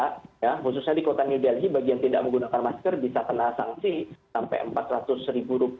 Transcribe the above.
khususnya di kota new delhi bagi yang tidak menggunakan masker bisa kena sanksi sampai rp empat ratus